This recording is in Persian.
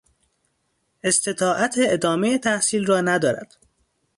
استطاعت ادامهی تحصیل را ندارد.